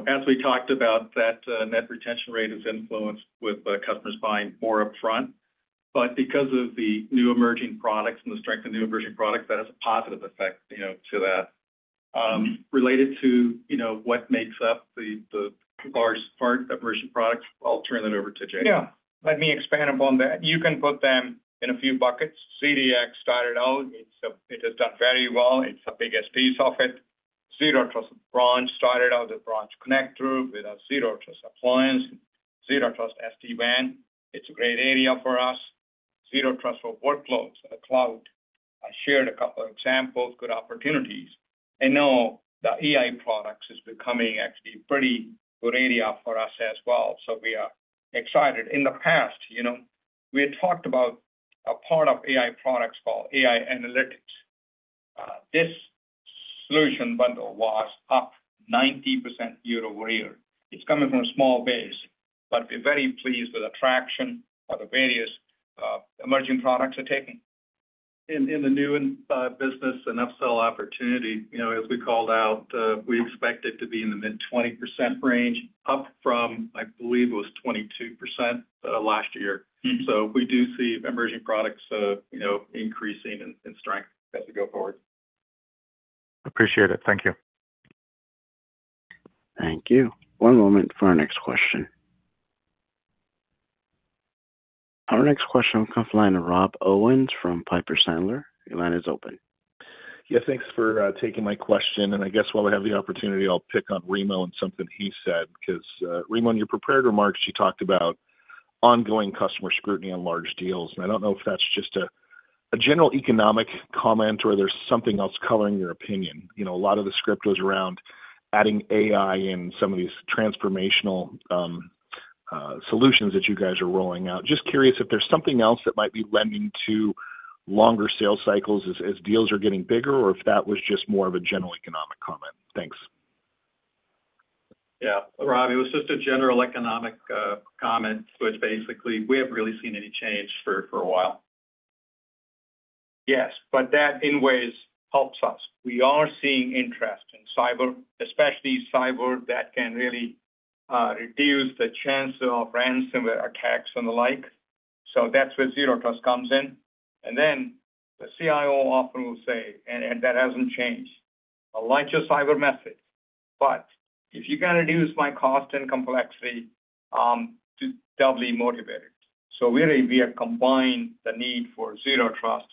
As we talked about, that net retention rate is influenced with customers buying more upfront. But because of the new emerging products and the strength of new emerging products, that has a positive effect to that. Related to what makes up the large part of emerging products, I'll turn it over to Jay. Yeah. Let me expand upon that. You can put them in a few buckets. ZDX started out. It has done very well. It's a big SaaS software. Zero Trust Branch started out as a branch connector with a Zero Trust appliance. Zero Trust SD-WAN. It's a great area for us. Zero Trust for Workloads in the cloud. I shared a couple of examples, good opportunities, and now the AI products is becoming actually a pretty good area for us as well. So we are excited. In the past, we had talked about a part of AI products called AI analytics. This solution bundle was up 90% year-over-year. It's coming from a small base, but we're very pleased with the traction of the various emerging products we're taking. In the new business and upsell opportunity, as we called out, we expect it to be in the mid-20% range, up from, I believe it was 22% last year, so we do see emerging products increasing in strength as we go forward. Appreciate it. Thank you. Thank you. One moment for our next question. Our next question will come from the line of Rob Owens from Piper Sandler. Your line is open. Yeah. Thanks for taking my question. I guess while we have the opportunity, I'll pick on Remo and something he said because, Remo, in your prepared remarks, you talked about ongoing customer scrutiny on large deals. I don't know if that's just a general economic comment or there's something else coloring your opinion. A lot of the script was around adding AI in some of these transformational solutions that you guys are rolling out. Just curious if there's something else that might be lending to longer sales cycles as deals are getting bigger, or if that was just more of a general economic comment. Thanks. Yeah. Rob, it was just a general economic comment, which basically we haven't really seen any change for a while. Yes. But that in ways helps us. We are seeing interest in cyber, especially cyber that can really reduce the chance of ransomware attacks and the like. That's where Zero Trust comes in. The CIO often will say, and that hasn't changed, a larger cyber budget. But if you're going to reduce my cost and complexity, to doubly motivate it. We have combined the need for Zero Trust.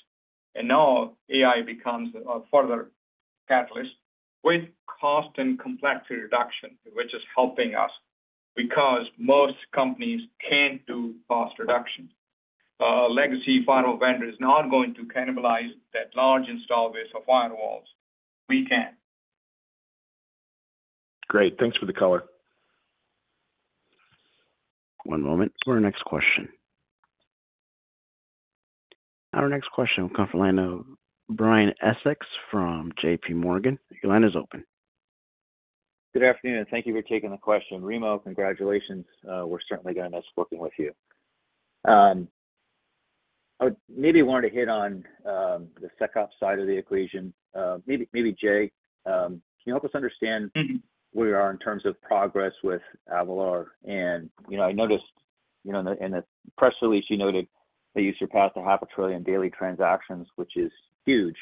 Now, AI becomes a further catalyst with cost and complexity reduction, which is helping us because most companies can't do cost reduction. A legacy firewall vendor is not going to cannibalize that large install base of firewalls. We can. Great. Thanks for the color. One moment for our next question. Our next question will come from the line of Brian Essex from JPMorgan. Your line is open. Good afternoon. And thank you for taking the question. Remo, congratulations. We're certainly going to miss working with you. I would maybe want to hit on the SecOps side of the equation. Maybe, Jay, can you help us understand where we are in terms of progress with Avalor? And I noticed in the press release, you noted that you surpassed 500 billion daily transactions, which is huge.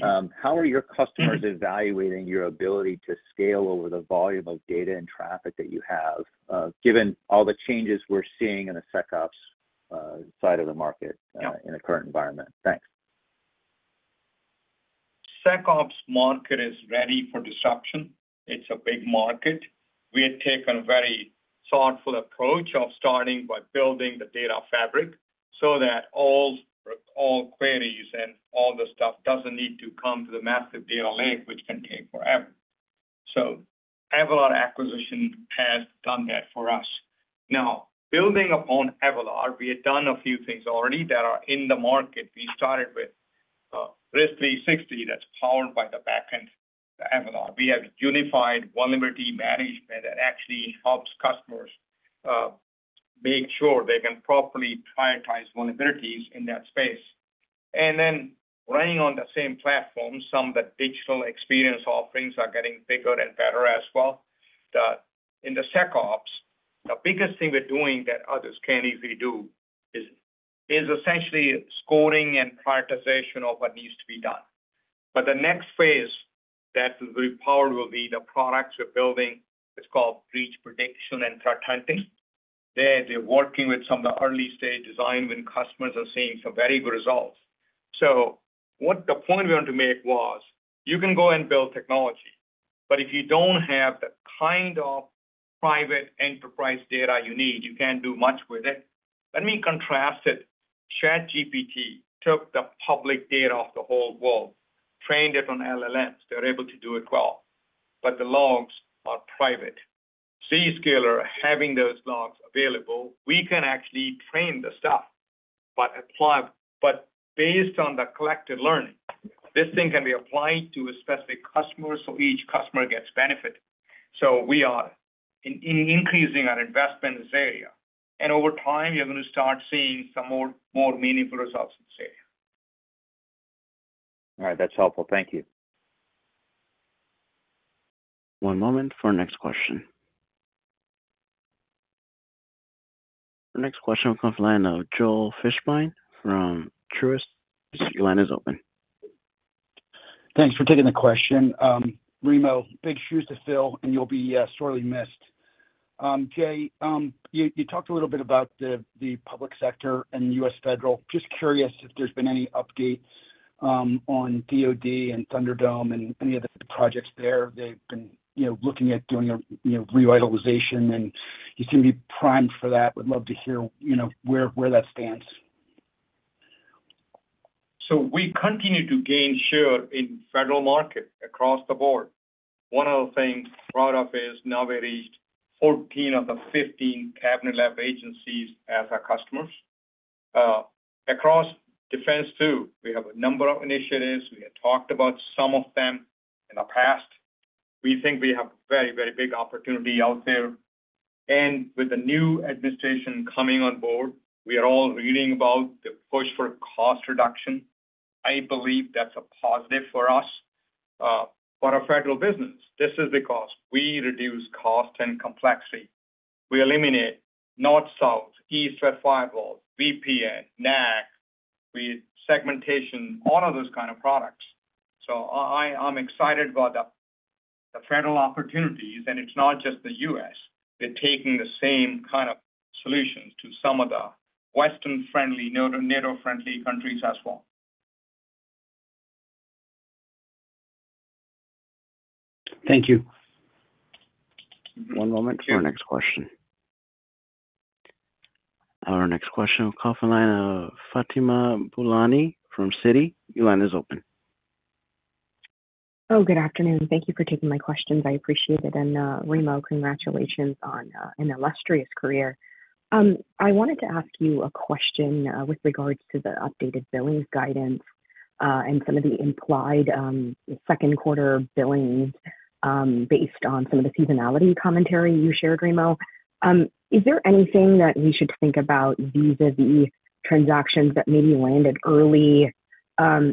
How are your customers evaluating your ability to scale over the volume of data and traffic that you have, given all the changes we're seeing in the SecOps side of the market in the current environment? Thanks. SecOps market is ready for disruption. It's a big market. We had taken a very thoughtful approach of starting by building the data fabric so that all queries and all the stuff doesn't need to come to the massive data lake, which can take forever. So Avalor acquisition has done that for us. Now, building upon Avalor, we had done a few things already that are in the market. We started with Risk360, that's powered by the backend Avalor. We have Unified Vulnerability Management that actually helps customers make sure they can properly prioritize vulnerabilities in that space. And then running on the same platform, some of the digital experience offerings are getting bigger and better as well. In the SecOps, the biggest thing we're doing that others can't easily do is essentially scoring and prioritization of what needs to be done. But the next phase that will be powered will be the products we're building. It's called breach prediction and threat hunting. They're working with some of the early-stage designs when customers are seeing some very good results. So the point we wanted to make was you can go and build technology, but if you don't have the kind of private enterprise data you need, you can't do much with it. Let me contrast it. ChatGPT took the public data of the whole world, trained it on LLMs. They're able to do it well. But the logs are private. Zscaler having those logs available, we can actually train the stuff, but based on the collected learning, this thing can be applied to a specific customer, so each customer gets benefit. So we are increasing our investment in this area. And over time, you're going to start seeing some more meaningful results in this area. All right. That's helpful. Thank you. One moment for our next question. Our next question will come from the line of Joel Fishbein from Truist. Your line is open. Thanks for taking the question. Remo, big shoes to fill, and you'll be sorely missed. Jay, you talked a little bit about the public sector and U.S. Federal. Just curious if there's been any updates on DOD and Thunderdome and any of the projects there. They've been looking at doing a revitalization, and you seem to be primed for that. Would love to hear where that stands. So we continue to gain share in federal market across the board. One of the things I'm proud of is now we reached 14 of the 15 cabinet-level agencies as our customers. Across defense too, we have a number of initiatives. We had talked about some of them in the past. We think we have a very, very big opportunity out there. And with the new administration coming on board, we are all reading about the push for cost reduction. I believe that's a positive for us. For a federal business, this is because we reduce cost and complexity. We eliminate north-south, east-west firewalls, VPN, NAC. We segment all of those kinds of products. So I'm excited about the federal opportunities, and it's not just the U.S. They're taking the same kind of solutions to some of the Western-friendly, NATO-friendly countries as well. Thank you. One moment for our next question. Our next question will come from the line of Fatima Boolani from Citi. Your line is open. Oh, good afternoon. Thank you for taking my questions. I appreciate it. And Remo, congratulations on an illustrious career. I wanted to ask you a question with regards to the updated billing guidance and some of the implied second-quarter billing based on some of the seasonality commentary you shared, Remo. Is there anything that we should think about vis-à-vis transactions that maybe landed early,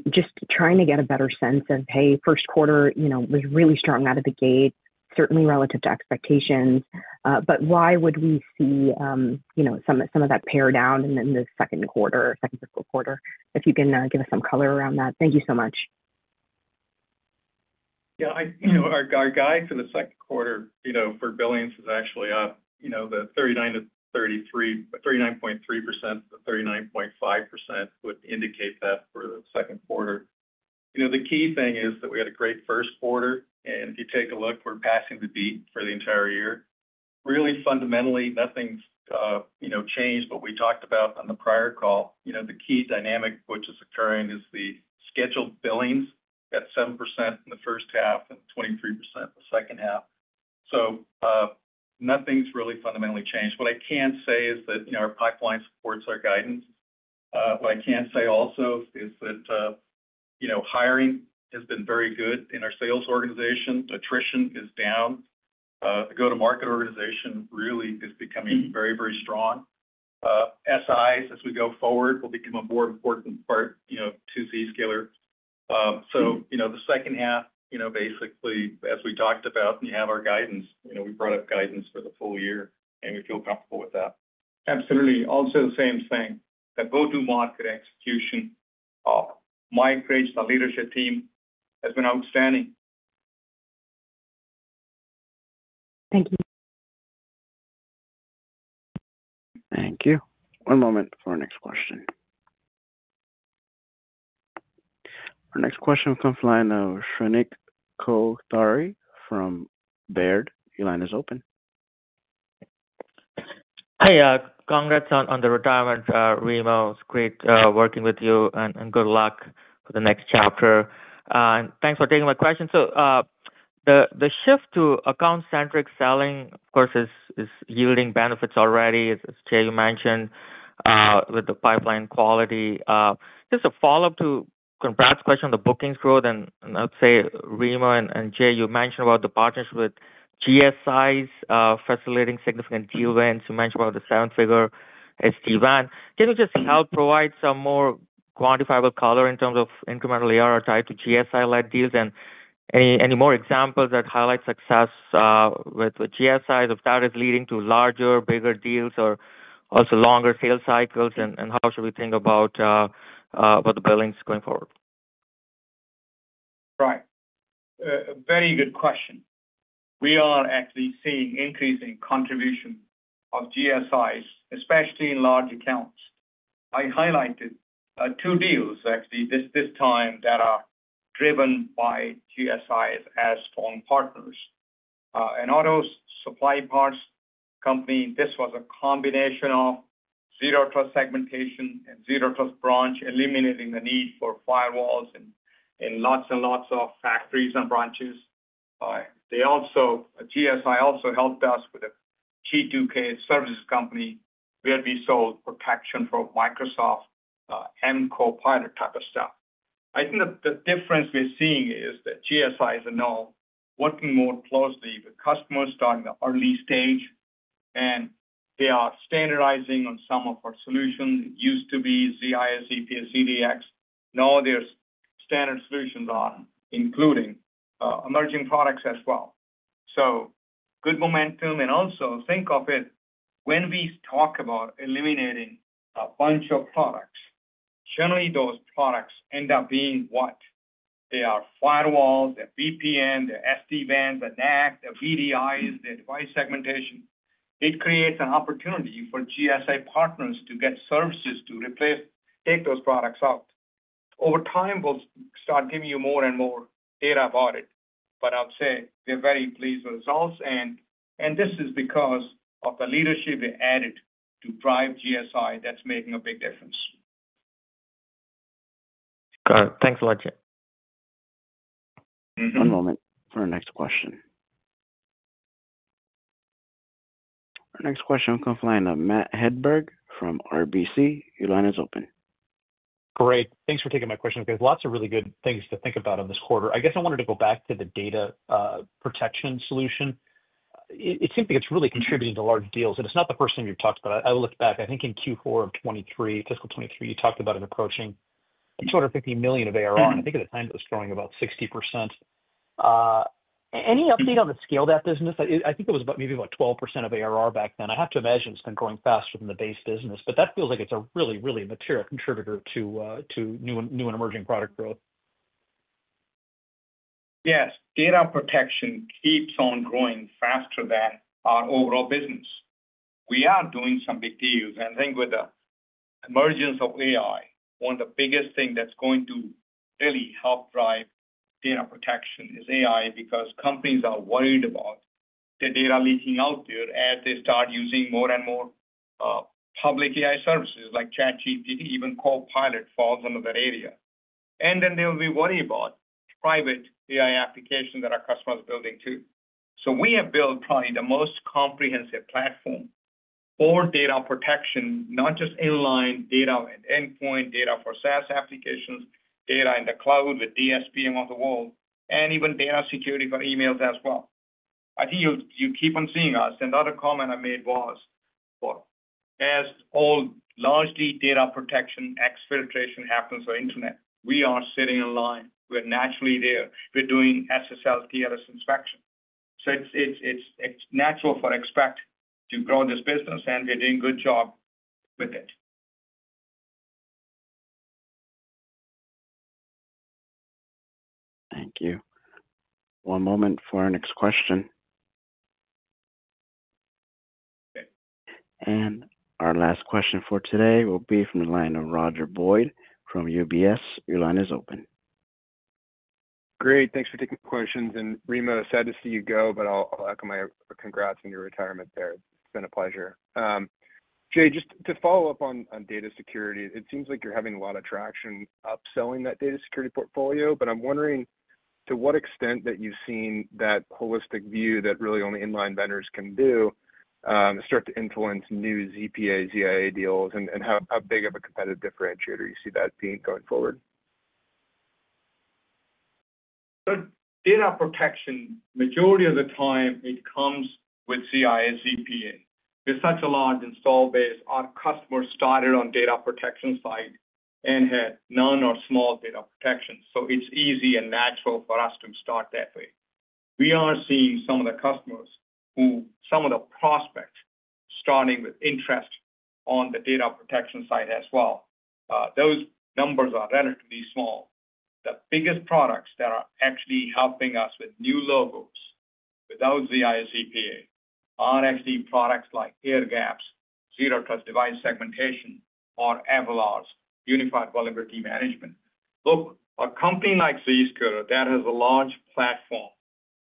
just trying to get a better sense of, hey, first quarter was really strong out of the gate, certainly relative to expectations, but why would we see some of that pare down in the second quarter, second to fourth quarter? If you can give us some color around that. Thank you so much. Yeah. Our guide for the second quarter for billings is actually up 39.3%-39.5% would indicate that for the second quarter. The key thing is that we had a great first quarter. And if you take a look, we're passing the beat for the entire year. Really fundamentally, nothing's changed, but we talked about on the prior call. The key dynamic which is occurring is the scheduled billings at 7% in the first half and 23% in the second half. So nothing's really fundamentally changed. What I can say is that our pipeline supports our guidance. What I can say also is that hiring has been very good in our sales organization. Attrition is down. The go-to-market organization really is becoming very, very strong. SIs, as we go forward, will become a more important part to Zscaler. So the second half, basically, as we talked about, and you have our guidance. We brought up guidance for the full year, and we feel comfortable with that. Absolutely. Also the same thing. The go-to-market execution, Mike Rich, our leadership team has been outstanding. Thank you. Thank you. One moment for our next question. Our next question will come from the line of Shrenik Kothari from Baird. Your line is open. Hey, congrats on the retirement, Remo. It's great working with you, and good luck for the next chapter. Thanks for taking my question. So the shift to account-centric selling, of course, is yielding benefits already, as Jay mentioned, with the pipeline quality. Just a follow-up to congrats question on the bookings growth. I'd say, Remo and Jay, you mentioned about the partnership with GSIs facilitating significant deal wins. You mentioned about the seven-figure SD-WAN. Can you just help provide some more quantifiable color in terms of incremental ARR tied to GSI-led deals and any more examples that highlight success with GSIs, if that is leading to larger, bigger deals or also longer sales cycles, and how should we think about the billings going forward? Right. Very good question. We are actually seeing increasing contribution of GSIs, especially in large accounts. I highlighted two deals, actually, this time that are driven by GSIs as strong partners. An auto supply parts company. This was a combination of Zero Trust Segmentation and Zero Trust Branch, eliminating the need for firewalls in lots and lots of factories and branches. GSI also helped us with a large services company where we sold protection for Microsoft and Copilot-type of stuff. I think the difference we're seeing is that GSIs are now working more closely with customers starting the early stage, and they are standardizing on some of our solutions. It used to be ZIA, ZPA, ZDX. Now, there's standard solutions including emerging products as well. So good momentum. And also, think of it when we talk about eliminating a bunch of products. Generally those products end up being what? They are firewalls, their VPN, their SD-WAN, their NAC, their VDIs, their device segmentation. It creates an opportunity for GSI partners to get services to replace, take those products out. Over time, we'll start giving you more and more data about it. But I'll say we're very pleased with the results, and this is because of the leadership we added to drive GSI that's making a big difference. Got it. Thanks a lot, Jay. One moment for our next question. Our next question will come from the line of Matt Hedberg from RBC. Your line is open. Great. Thanks for taking my question. There's lots of really good things to think about on this quarter. I guess I wanted to go back to the data protection solution. It seems like it's really contributing to large deals, and it's not the first time you've talked about it. I looked back. I think in Q4 of 2023, fiscal 2023, you talked about it approaching $250 million of ARR, and I think at the time it was growing about 60%. Any update on the scale of that business? I think it was maybe about 12% of ARR back then. I have to imagine it's been growing faster than the base business, but that feels like it's a really, really material contributor to new and emerging product growth. Yes. Data protection keeps on growing faster than our overall business. We are doing some big deals. And I think with the emergence of AI, one of the biggest things that's going to really help drive data protection is AI, because companies are worried about the data leaking out there as they start using more and more public AI services like ChatGPT, even Copilot falls under that area. And then they will be worried about private AI applications that our customers are building too. We have built probably the most comprehensive platform for data protection, not just inline data and endpoint data for SaaS applications, data in the cloud with DSPM of the world, and even data security for emails as well. I think you keep on seeing us. And the other comment I made was, as all largely data protection exfiltration happens on the internet, we are sitting in line. We're naturally there. We're doing SSL/TLS inspection. So it's natural to expect to grow this business, and we're doing a good job with it. Thank you. One moment for our next question. And our last question for today will be from the line of Roger Boyd from UBS. Your line is open. Great. Thanks for taking my questions. And Remo, sad to see you go, but I'll echo my congrats on your retirement there. It's been a pleasure. Jay, just to follow up on data security, it seems like you're having a lot of traction upselling that data security portfolio, but I'm wondering to what extent that you've seen that holistic view that really only inline vendors can do start to influence new ZPA, ZIA deals, and how big of a competitive differentiator you see that being going forward? So, data protection, majority of the time, comes with ZIA, ZPA. There's such a large installed base. Our customers started on data protection side and had none or small data protection. So it's easy and natural for us to start that way. We are seeing some of the customers, some of the prospects, starting with interest on the data protection side as well. Those numbers are relatively small. The biggest products that are actually helping us with new logos without ZIA ZPA are actually products like Airgap, Zero Trust device segmentation, or Avalor's Unified Vulnerability Management. Look, a company like Zscaler that has a large platform,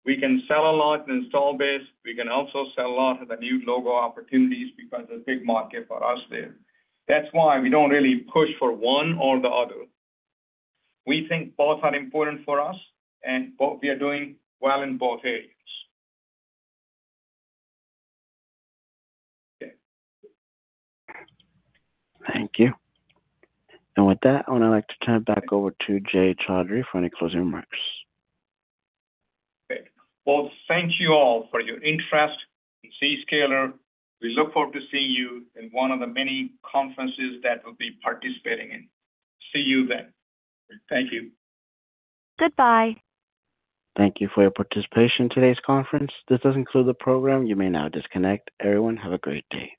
we can sell a lot in install base. We can also sell a lot of the new logo opportunities because it's a big market for us there. That's why we don't really push for one or the other. We think both are important for us, and we are doing well in both areas. Okay. Thank you. And with that, I would like to turn it back over to Jay Chaudhry for any closing remarks. Great. Well, thank you all for your interest in Zscaler. We look forward to seeing you in one of the many conferences that we'll be participating in. See you then. Thank you. Goodbye. Thank you for your participation in today's conference. This does conclude the program. You may now disconnect. Everyone, have a great day.